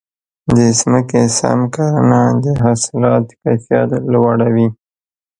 د ځمکې سم کرنه د حاصلاتو کیفیت لوړوي.